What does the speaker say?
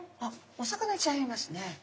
お魚ちゃんいますね！